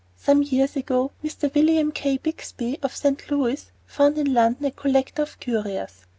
Some years ago Mr. William K. Bixby, of St. Louis, found in London a collector of curios.